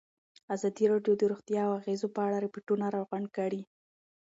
ازادي راډیو د روغتیا د اغېزو په اړه ریپوټونه راغونډ کړي.